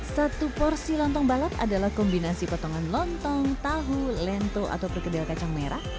satu porsi lontong balap adalah kombinasi potongan lontong tahu lento atau perkedel kacang merah